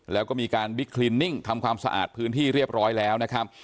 แล้วก็มีการบิ๊กคลินนิ่งทำความสะอาดพื้นที่เรียบร้อยแล้วนะครับ